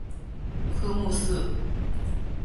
科目四